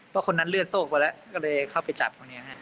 เพราะคนนั้นเลือดโซกไปแล้วก็เลยเข้าไปจับคนนี้ฮะ